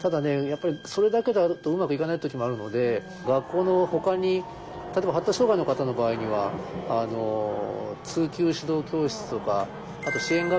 やっぱりそれだけだとうまくいかない時もあるので学校のほかに例えば発達障害の方の場合には通級指導教室とかあと支援学級なんかも使える場合がある。